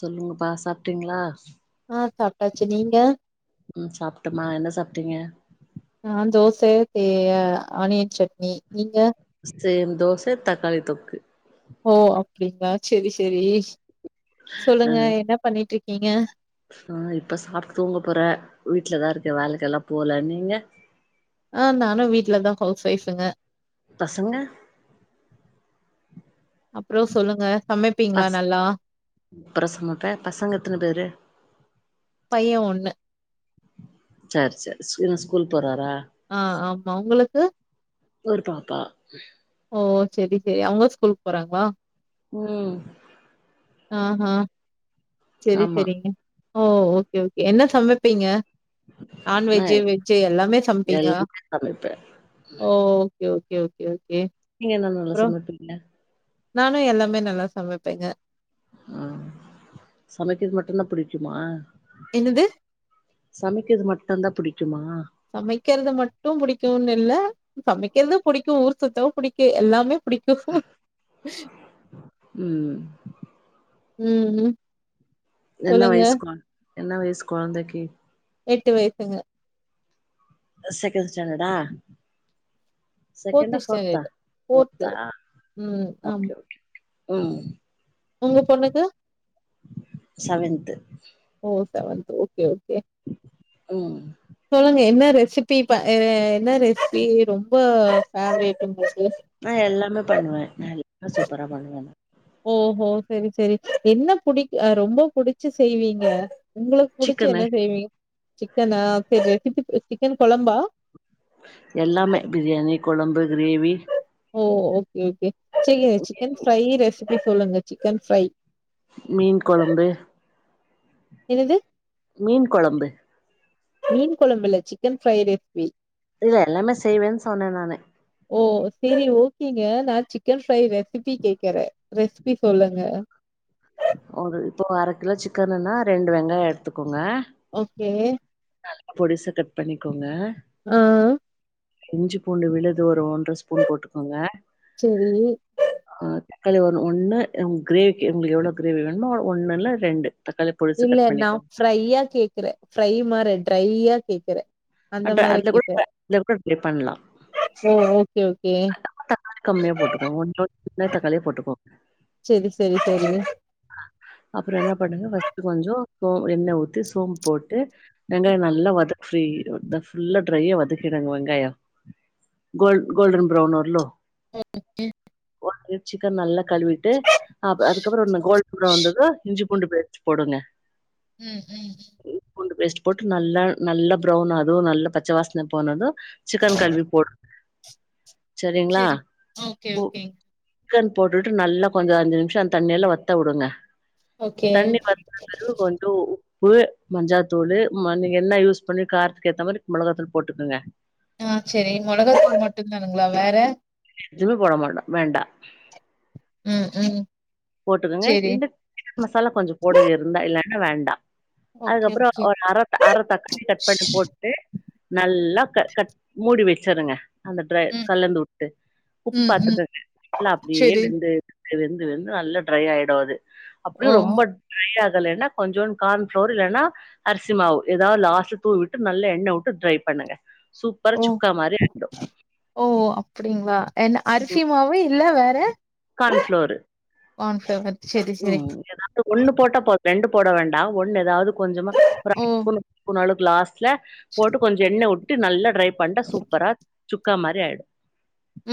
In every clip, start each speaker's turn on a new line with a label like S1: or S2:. S1: சொல்லுங்கப்பா சாப்பிட்டீங்களா
S2: ஆ சாப்பிட்டாச்சு நீங்க
S1: ம் சாப்டமா என்ன சாப்பிட்டீங்க
S2: நா தோச ஆனியன் சட்னி நீங்க
S1: சேம் தோச தக்காளி தொக்கு
S2: ஓ அப்டிங்ளா சேரி சேரி
S1: அ
S2: சொல்லுங்க என்ன பண்ணிட்ருக்கீங்க
S1: ஆ இப்ப சாப்பிட்டு தூங்க போற வீட்லதா இருக்க வேலைக்கெலா போல நீங்க
S2: ஆ நானு வீட்ல தா ஹவுஸ் ஒய்ஃபுங்க
S1: பசங்க
S2: அப்புறோ சொல்லுங்க சமைப்பீங்களா
S1: பஸ்
S2: நல்லா?
S1: அப்புறசமாப்ப பசங்க எத்தன பேரு
S2: பைய ஒண்ணு
S1: சர் சர் என்ன‌ ஸ்கூல்க்கு போறாரா
S2: ஆ ஆமா உங்களுக்கு
S1: ஒரு பாப்பா
S2: ஓ சேரி சேரி அவங்க ஸ்கூலுக் போறாங்ளா
S1: ம்
S2: ஆ ஹா சரி
S1: ஆமா
S2: சரிங்க ஓ ஓகே ஓகே என்ன சமைப்பீங்க
S1: நா
S2: நான்வெஜ்ஜு வெஜ்ஜு எல்லாமே சமப்பீங்க
S1: எல்லாமே சமைப்ப
S2: ஓ ஓகே ஓகே ஓகே ஓகே
S1: நீங்க என்ன நல்லா
S2: அப்றோ
S1: சமைப்பீங்க
S2: நானு எல்லாமே நல்லா சமைப்பேங்க
S1: ஆ சமைக்கிறது மட்டுந்தா புடிக்குமா
S2: என்னது?
S1: சமைக்கது மட்டுந்தா புடிக்குமா
S2: சமைக்கிறது மட்டு பிடிக்கும்ன்னு இல்ல சமைக்கறது புடிக்கும் ஊர் சுத்த பிடிக்கும் எல்லாமே புடிக்கு
S1: ம்
S2: ம் ம்
S1: என்ன
S2: சொல்லுங்க
S1: வயசு கொ என்ன வயசு கொழந்தைக்கு
S2: எட்டு வயசுங்க
S1: செகெண்ட் ஸ்டண்டர்டா செகெண்டா
S2: ஃபோர்த்து
S1: ஃபோர்த்தா
S2: ஸ்டாண்டர்டு ஃபோர்த்து
S1: ஃபோர்த்தா
S2: ம்
S1: ஓகே
S2: ஆமா
S1: ஓகே ம்
S2: உங்க பொண்ணுக்கு
S1: செவன்த்து
S2: ஓ செவன்த் ஓகே ஓகே
S1: ம்
S2: சொல்லுங்க என்ன ரெசிபி இப்ப என்ன ரெசிபி ரொம்ப பேவரேட் உங்களுக்கு
S1: நா எல்லாமே பண்ணுவ எல்லா நல்லா சூப்பரா பண்ணுவ
S2: ஓஹோ சரி சரி என்ன புடிக் ரொம்ப புடிச்சு செய்வீங்க உங்களுக்கு புடிச்சி
S1: சிக்கனு
S2: என்ன செய்விங்க சிக்கனா ச சிக்கன் கொழம்பா
S1: எல்லாமே பிரியாணி கொழம்பு கிரேவி
S2: ஓ ஓகே ஓகே சரி சிக்கன் ஃப்ரை ரெசிபி சொல்லுங்க சிக்கன் ஃப்ரை
S1: மீன் கொழம்பு
S2: என்னது
S1: மீன் கொழம்பு
S2: மீன் கொழம்பு இல்ல சிக்கன் ஃப்ரை ரேசிபி
S1: இல்ல எல்லாமே செய்வேன் சொன்ன நானு
S2: ஓ சரி ஓகேங்க நா சிக்கன் ஃப்ரை ரெசிபி கேக்குறே ரெசிபி சொல்லுங்க
S1: ஒரு இப்போ அரை கிலோ சிக்கனுன்னா ரெண்டு வெங்காயோ எடுத்துக்கோங்க
S2: ஓக்கே
S1: நல்லா பொடிசா கட் பண்ணிக்கோங்க
S2: ஆ
S1: இஞ்சி பூண்டு விழுது ஒரு ஒன்ற ஸ்பூன் போட்டுக்கோங்க
S2: செரி
S1: ஆ தக்காளி ஒன் ஒன்னு ஒங் கிரேவிக்கு உங்களுக் எவ்ளோ கிரேவி வேணுமோ அவ்ளோ ஒன்னு இல்ல ரெண்டு
S2: இல்ல நா ஃப்ரையா கேக்குறே ஃப்ரை மாரே ட்ரையா கேக்குறே
S1: அடா அதுல கூட ப அதுல கூட ட்ரை பண்லா
S2: சேர் ஓகே ஓகே
S1: தக்காளி கம்மியா போட்டுக்கோங்க ஒன் [inaudible] தக்காளி போட்டுக்கோங்க
S2: செரி செரி செரி
S1: அப்பறோ என்ன பண்ணுங்க ஃபஸ்ட்டு கொஞ்சோ சோ எண்ணெ ஊத்தி சோம்பு போட்டு வெங்காயொ நல்லா வதக்கு ஃப்ரி ந்த ஃபுல்லா ட்ரையா வதக்கிடுங்க வெங்காயொ கோல் கோல்டன் ப்ரவுன் வரலு
S2: [inaudible]
S1: ஒரு [inaudible] சிக்கன் நல்லா கழுவிட்டு அப் அதுக்கப்பறோ ந்த கோல்டன் ப்ரவுன் வந்தது இஞ்சி பூண்டு பேஸ்டு போடுங்க
S2: ம் ம் ம்
S1: இஞ்சி பூண்டு பேஸ்டு போட்டு நல்லா நல்லா ப்ரவுன் அதுவ் நல்ல பச்ச வாசன போனது சிக்கன் கழுவி போடுங்க சரிங்களா
S2: சரி. ஓகே,
S1: போ
S2: ஓகேங்க.
S1: க்கன் போட்டுட்டு நல்லா கொஞ்சோ அஞ்சு நிமிஷொ அந்த தண்ணில்லா வத்த வுடுங்க
S2: ஓகே.
S1: தண்ணி வத்துன பெறவு கொஞ்சோ ப்பு மஞ்சாத்தூளு ம நீங்க என்ன யூஸ் பண்ணி காரத்துக்கு ஏத்த மாரி மொளகாத்தூளு போட்டுக்கோங்க
S2: ஆ செரி மொளகாத்தூள் மட்டுதானுங்களா வேற
S1: வேற எதுமே போட மாட்டோ வேண்டா
S2: ம் ம்
S1: போட்டுக்கோங்க
S2: சேரி.
S1: இந்த சிக்கன் மசாலா கொஞ்சொ போடது இருந்தா இல்லன்னா வேண்டா
S2: ஓகே,
S1: அதுக்கப்றோ
S2: ஓகே.
S1: ஒரு அர அர தக்காளி கட் பண்ணிட் போட் டு நல்லா க கட் மூடி வச்சுருங்க அந்த ட்ர
S2: ம்,
S1: கலந்து வுட்டு உப்பு
S2: ம், ம்.
S1: பாத்துகோங்க நல்லா அப்டியே
S2: சரி.
S1: வெந்து வெந்து வெந்து வெந்து நல்லா ட்ரை ஆயிடு அது
S2: ஓ,
S1: அப்டியு ரொம்ப ட்ரை ஆகலன்னா கொஞ்சோன்னு கான் ஃப்ளோர் இல்லன்னா அரிசி மாவு எதாவ் லாஸ்ட்ல தூவிட்டு நல்ல எண்ண வுட்டு ட்ரை பண்ணுங்க சூப் பர்
S2: ஓ,
S1: சுக்கா மாரி ஆயிடு
S2: ஓ அப்டிங்களா என்ன அரிசிமாவு இல்ல வேற
S1: கான்ஃப்ளோவ்ரு
S2: கான்ஃப்ளவர்
S1: ம் எதாவ்து ஒன்னு போட்டா போது ரெண்டு போட வேண்டா ஒன்னு எதாவ்து கொஞ்சமா ஒரு அர
S2: ஓ!
S1: ஸ்பூன் பூன் அளவுக்கு லாஸ்ட்ல போட்டு கொஞ்சொ எண்ணெ வுட்டு நல்லா ட்ரை பண்ட்டா சூப்பரா சுக்கா மாறியாயிடு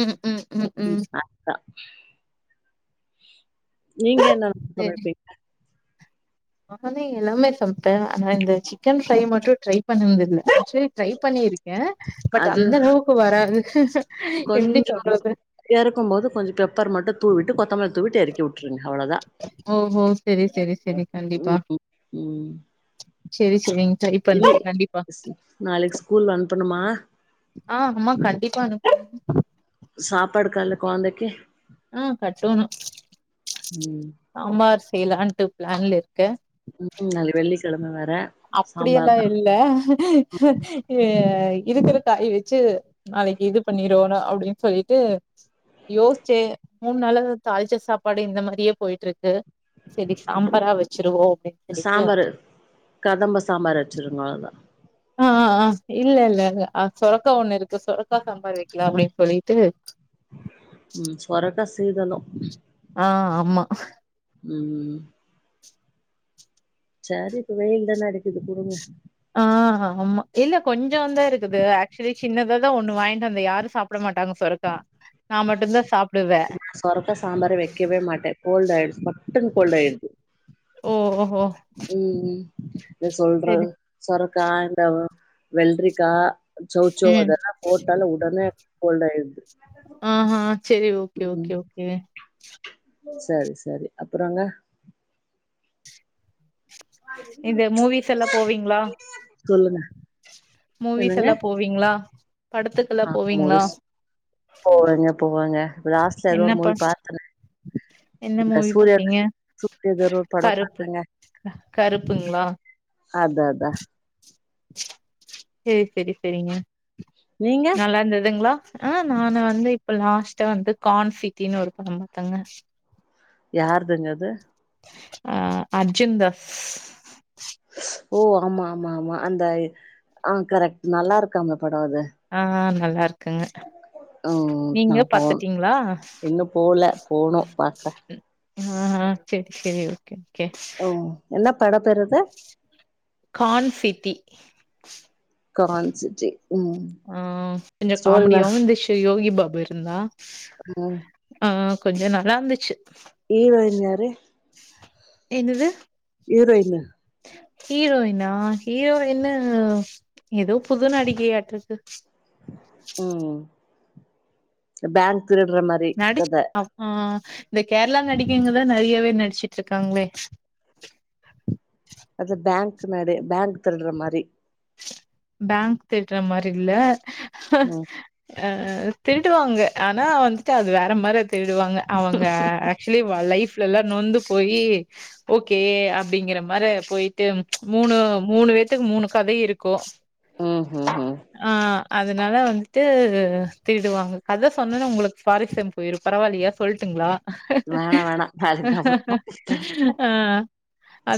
S2: ம், ம், ம், ம்.
S1: [unintelligible] நீங்க என்னலா சமைப்பீங்க
S2: நானு எல்லாமே சமைப்பே ஆனா இந்த சிக்கன் ஃப்ரை மட்டு ட்ரை பண்ணுனதுல்ல ஆக்சுவலி ட்ரை பண்ணியிருக்கே பட் அந்த அளவுக்கு வராது எப்டி
S1: கொஞ்சோ
S2: சொல்றது?
S1: எறக்கும் போது கொஞ்சொ பெப்பர் மட்டு தூவுட்டு கொத்தமல்லி தூவிட்டு எறக்கி வுட்டுருங்க அவ்ளோதா
S2: ஓஹோ செரி செரி செரி கண்டிப்பா
S1: ம்
S2: செரி செரிங்
S1: இல்லை நாளைக்கு ஸ்கூல் அனுப்பனுமா
S2: ஆ ஆமா கண்டிப்பா அனுப்பனு
S1: சாப்பாடு கால்ல கொழந்தைக்கு
S2: ம் கட்டும்
S1: ம்
S2: சாம்பார் செய்லான்ட்டு பிளான்ல இருக்க
S1: ம் அதுல வெள்ளிக்கெழம வேற
S2: அப்படி எல்லா
S1: சாம்பார் தா
S2: இல்ல இருக்கிற காய வச்சு நாளைக்கி இது பண்ணிருனு அப்டின்னு சொல்லிட்டு யோசிச்சே மூணு நாளா இந்த தாளிச்ச சாப்பாடு இந்த மாரியே போயிட்டு இருக்கு சேரி சாம்பாரா வச்சிருவோ அப்டின்னு சொல்லிட்டு
S1: சாம்பாரு கதம்ப சாம்பார் வச்சுருந்தோ நல்லா
S2: ஆ ஆ ஆ இல்ல இல்ல ஆ சொரக்கா ஒண்ணு இருக்கு சொரக்கா சம்பார் வைக்கலாமேனு சொல்லிட்டு
S1: ம் சொரக்கா சீதனு
S2: ஆ ஆமா
S1: ம் சரி இப்ப வெயில்தான அடிக்கிது குடுங்க
S2: ஆ ஆமா இல்ல கொஞ்சோதா இருக்குது ஆக்சுவலி சின்னதாதா ஒண்ணு வாங்கிட்டு வந்த யாரும் சாப் ப்புட மாட்டாங்க சொரக்கா நா மட்டுந்தா சாப்டுவே
S1: சொரக்கா சாம்பார் வெக்கவே மாட்டே கோல்டு் ஆயிடுது சட்டுனு கோல்டு ஆயிடுது
S2: ஓஹோ
S1: ம் ம் என்ன சொல்றது
S2: சரி
S1: சொரக்கா இந்த வெல்ரிக்கா சௌசௌ
S2: ம்
S1: அதல்லா போட்டாலு உடனே கோல்டாயிடுது
S2: ஆஹ சேரி ஓகே ஓகே ஓகே
S1: சரி சரி அப்றோங்க
S2: இந்த மூவிஸ் எல்லா போவீங்ளா,
S1: சொல்லுங்க
S2: மூவிஸ்
S1: என்னங்க
S2: எல்லா போ விங்ளா
S1: ஆ மூவிஸ் போவேங்க போவாங்க லாஸ்ட்ல ஏதோ
S2: என்ன
S1: ஒரு
S2: ப
S1: மூவி பாத்த
S2: என்ன
S1: அந்த
S2: மூவி
S1: சூரியா
S2: பாத்தீங்க
S1: சூரியாது ஏதோ ஒரு பட பாத்தாங்க
S2: க கருப்புங்ளா
S1: அதா அதா
S2: சேரி சேரி சேரிங்க
S1: நீங்க
S2: நல்லா இருந்துதுங்ளா, ஆ நா நா வந்து இப்ப லாஸ்ட்ட வந்து கான் சிட்டினு ஒரு படம் பாத்தங்க
S1: யாருதுங்க அது
S2: அ அர்ஜுன்தாஸ்
S1: ஓ ஆமா ஆமா ஆமா அந்த ஆ கரெக்ட் நல்லா இருக்கு அந்த படம் அது
S2: ஆ நல்லா இருக்குங்க
S1: ம் நா
S2: நீங்க
S1: போணு
S2: பாத்துட்டீங்களா
S1: இன்னு போவல போணு பாக்க உஹம் [unintelligible]
S2: சேரி சேரி ஓகே ஓகே
S1: ஓ என்ன படம் பேரு அது
S2: கான்சிட்டி
S1: கான்சிட்டி ம்
S2: ஆ கொஞ்சோ
S1: ஸ்டோரினா
S2: காமெடியாவு இருந்துச்சு இது யோகி பாபு இருந்தா
S1: ஹலோ
S2: ஆ ஆ கொஞ்சோ நல்லா இருந்துச்சி
S1: ஹீரோயின் யாரு
S2: என்னது
S1: ஹீரோயினு
S2: ஹீரோயின்னா ஹீரோயின்னு ஏதோ புது நடிகையாட்ருக்கு
S1: உம் பேங்க் திருட்ற மாரி
S2: நடிச்
S1: கத
S2: அம்மா இந்த கேர்ளா நடிகைங்கதா நெறையவே நடிச்சுட்ருக்காங்ளே
S1: அது பேங்க் மாரி பேங்க் திருட்ற மாரி
S2: பேங்க் திருட்ற மாரி இல்ல
S1: ம்
S2: அ திருடுவாங்க ஆனா வந்துட்டு அது வேற மாரி அது திருடுவாங்க அவுங்க ஆக்சுவலி லைஃப்ல எல்லா நொந்து போயி ஓகே அப்டிங்குற மாரி போயிட்டு மூணு மூணு பேத்துக்கு மூணு கதை இருக்கும்
S1: ம் உம் உம்
S2: ஆ அதனால வந்துட்டு திருடுவாங்க கதை சொன்னனே உங்களுக்கு பாரிபென்ஸ் போயிரும் பரவாயில்லையா சொல்ட்டுங்களா
S1: வேணா வேணா அதுக்கு நா போய்
S2: ஆ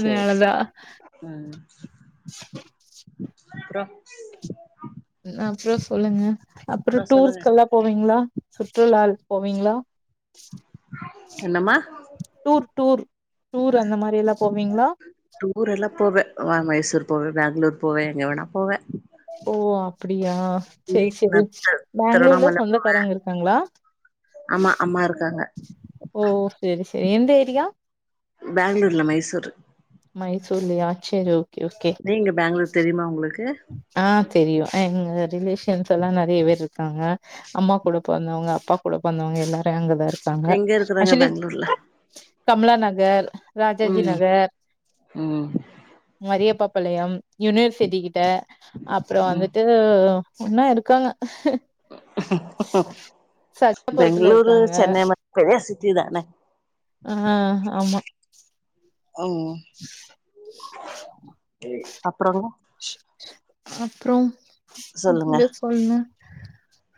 S1: சேரி சேரி அப்றோம்
S2: என்னாச்சி சொல்லுங்க அப்புறம்
S1: சொல்லுங்க
S2: டூருக்கெல்லாம் போனீங்களா சுற்றுலாக்கு போவீங்களா
S1: என்னம்மா
S2: டூர் டூர் டூர் அந்த மாரியெல்லாம் போவீங்ளா
S1: டூர் எல்லாம் போவே அ மைசூர் போவே பெங்ளூர் போவே எங்க வேணா போவே
S2: ஓ அப்டியா செரி செரி பெங்ளூர்ல
S1: திருவண்ணாமல
S2: சொந்தக்காரங்க இருக்காங்களா
S1: ஆமா அப் அம்மா இருக்காங்க
S2: ஓ செரி செரி எந்த ஏரியா
S1: பெங்களூர் இல்ல மைசூரு
S2: மைசூர்லயா சேரி ஓகே ஓகே
S1: நீங்க பெங்ளூர் தெரியுமா உங்களுக்கு
S2: ஆ தெரியும் எங்க ரிலேஷன்ஸெல்லாம் நெறைய பேர் இருக்காங்க அம்மா கூட பொறந்தவுங்க அப்பா கூட பொறந்தவுங்க எல்லாரும் அங்கதா இருக் காங்க
S1: எங்க இருக்குறாங்க
S2: ஆக்சுவலி
S1: பேங்களூர்ல
S2: கம்லா நகர் ராஜாஜி
S1: ம்
S2: நகர்
S1: ம்
S2: மரியப்பா பாளையம் யூனிவர்சிட்டி கிட்ட அப்புறம்
S1: ம்
S2: வந்துட்டு இன்னு இருக்காங்க சகலாபுரத்துல
S1: பெங்ளூரு
S2: இருக்காங்க
S1: சென்னை [inaudible] பெரிய சிட்டிதான
S2: அ ஆமா
S1: ம் அப்றோ
S2: அப்றோம்
S1: சொல்லுங்க
S2: நீங்க சொல்லுங்க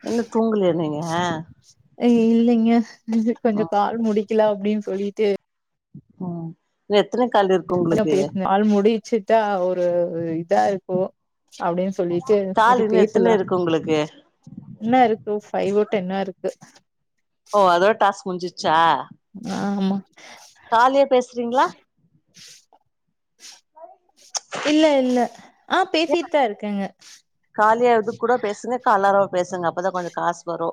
S1: இன்னு தூங்கலையா நீங்க
S2: ஐயோ இல்லைங்க இன்னும் கொஞ்சோ
S1: ம்
S2: கால் முடிக்கலாம் அப்டின் சொல்லிட்டு
S1: உம் இன்னு எத்தன கால் இருக்கு
S2: அதா
S1: உங்களுக்கு
S2: பேசுனே கால் முடி ச்சிட்டா ஒரு இதா இருக்கும் அப்டின் சொல்லிட்டு சரி
S1: கால் இன்னு
S2: பேசலா
S1: எத்தன இருக்கு உங்களுக்கு
S2: என்ன இருக்கு ஃபைவ் டென்னா இருக்கு
S1: ஓ அதோட டாஸ்க் முடிஞ்சிச்சா
S2: ஆமா
S1: காலியா பேசுறீங்களா
S2: இல்ல இல்ல ஆ
S1: ஏ
S2: பேசிட்டுதா இருக்கங்க
S1: காலியா இதுக் கூட பேசுங்க கலாரவ பேசுங்க அப்பதா கொஞ்ச காஸ் வரு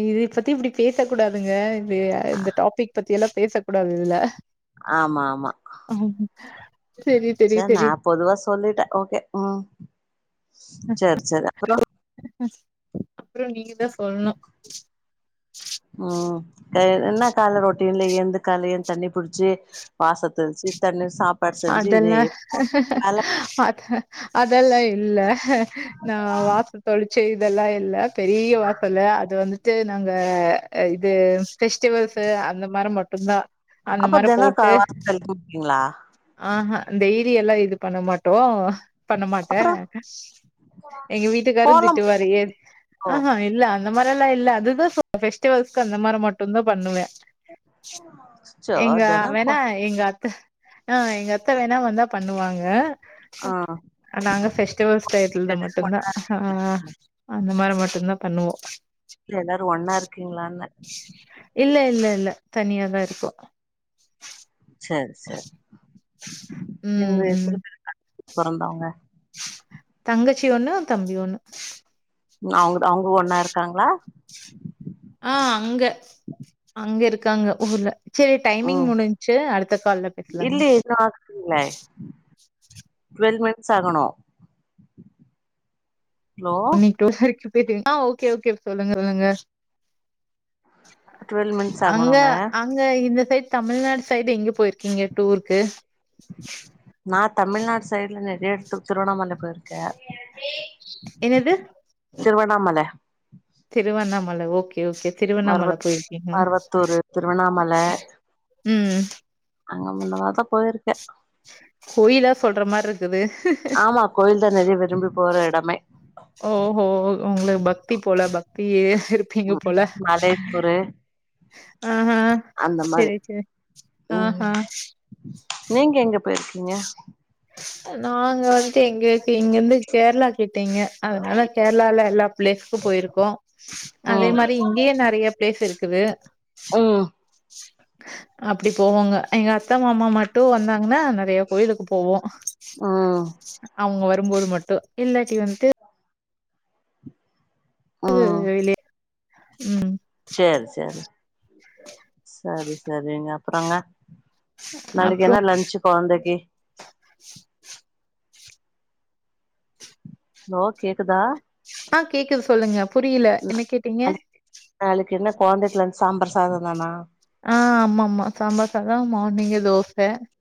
S2: ஏங்க இத பத்தி இப்டி பேச கூடாதுங்க இது இந்த டாபிக் பத்தி எல்லா பேச கூடாது இதுல
S1: ஆமா ஆமா
S2: ம் தெரியு தெரியு
S1: சரி நா
S2: தெரியு
S1: பொதுவா சொல்லிட்ட ஓகே ம் சேர் சேர் அப்பறோ
S2: ம் ம் அப்புறோ நீங்க தா சொல்ணு
S1: ம் என்ன கால்ல ரொட்டின்ல ஏந்து கால ஏந்து தண்ணி புடிச்சி வாசத் தெள்சி தண்ணிர் சாப்
S2: அதல்ல அத அதல்லா இல்ல நா வாச தொழுச்சு இதல்லா இல்ல பெரிய வாசலு அது வந்துட்டு நாங்க இது ஃபெஸ்டிவல்ஸு அந்த மாரு மட்டுந்தா அந்த
S1: அப்ப
S2: மாரி
S1: தெனோ க
S2: போட்டு
S1: வாச [unintelligible] கூட்னீங்ளா
S2: ஆஹா டெய்லி எல்லா இது பண்ண மாட்டோ பண்ண மாட்ட
S1: அப்புறோ
S2: எங்க வீட்டுக்காரு
S1: கோலம்
S2: திட்டுவாரு ஏ
S1: போடுவோ
S2: ஆஹா ஏ இல்ல அந்த மாரி எல்லா இல்ல அதுதா சொ ஃபெஸ்டிவல்கு அந்த மாரி மட்டுந்தா பண்ணுவ
S1: அச்சோ
S2: எங்க
S1: தினோ கோ
S2: வேணா எங்க அத்த ஆ எங்க அத்த வேணா வந்தா பண்ணுவாங்க
S1: ஆ
S2: நாங்க ஃபெஸ்டிவல்ஸ் டய்துல
S1: எல்லாரு
S2: மட்டுந்தா
S1: ஒன்னா
S2: ஆ அந்த மாரி மட்டுந்தா பண்ணுவோ
S1: இல்ல எல்லாரு ஒன்னா இருக்கீங்ளான்ன
S2: இல்ல இல்ல இல்ல தனியாதா இருக்கோ
S1: சேர் சேர் நீங்க
S2: ம் ம்
S1: எத்தன பேர் அடுத்து பொறந்தவுங்க
S2: தங்கச்சி ஒண்ணு தம்பி ஒண்ணு
S1: ம் அவுங்குடு அவுங்க ஒண்ணா இருக்காங்ளா
S2: ஆ அங்க அங்க இருக்காங்க ஊர்ல சேர் டைமிங்
S1: ம்
S2: முடிஞ்ச்சு அடுத்த கால்ல பேசலாங்க
S1: னே டுவல் மினிட்ஸ் ஆகணு அலோ
S2: நீங் [unintelligible] ஆ ஓகே ஓகே சொல்லுங்க சொல்லுங்க
S1: டுவெல் மினிட்ஸ்
S2: அங்க
S1: ஆகணுங்க
S2: அ அங்க இந்த சைடு தமிழ்நாடு சைடு எங்க போய்ருக்கீங்க டூர்க்கு
S1: நா தமிழ்நாடு சைடுல நறைய எடத்து திருவண்ணாமல போய்ருக்க
S2: என்னது
S1: திருவண்ணாமல
S2: திருவண்ணாமல ஓகே ஓகே திருவண்ணாமல
S1: மருவத்
S2: போயிர்க்கீங்ளா
S1: மருவத்தூரு திருவண்ணாமல
S2: ம்
S1: அங்க முந்த நாள் தா போய்ர்க்க
S2: கோயிலா சொல்ற மார்க்குது
S1: ஆமா கோயில் தா நறைய விரும்பி போற இடமே
S2: ஓஹோ உங்களுக் பக்தி போல பக்தியே இரு
S1: ம் மலேத்தூரு
S2: ஆஹா
S1: அந்த மாரி
S2: செரி செரி
S1: ம்
S2: ஆஹா
S1: நீங்க எங்க போயிருக்கீங்க
S2: அ நாங்க வந் து எங்கள்க்கு இங்கந்து கேர்ளா கிட்டீங்க அதனால கேர்ளால எல்லா பிளேஸ்க்கு போயிருக்கோ
S1: ம்
S2: து இங்கியே நெறைய பிளேஸ் இருக்குது
S1: ம்
S2: அப்டி போவோங்க எங்க அத்த மாமா மட்டு வந்தாங்கனா ந றைய கோயிலுக்கு போவோ
S1: ம்
S2: அவுங்க வரு போது மட்டு இல்லாட்டி வன்ட்டு வெளிய ம்
S1: செரி செரி சரி சரிங்க அப்றங்க நளைக்கு
S2: அப்றோ
S1: என்ன லஞ்சு கொழந்தைக்கி ஹலோ கேக்குதா
S2: ஆ கேக்குது சொல்லுங்க புரியில என்ன கேட்டீங்க
S1: நாளைக்கு நாளைக்கு என்ன கொழந்தைக்லா சாம்பார் சாத தானா
S2: ஆ ஆமா ஆமா சாம்பார் சாதோ மார்னிங்கே தோச